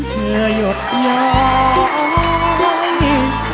แต่แรกแย้มเธอหยดหย่อย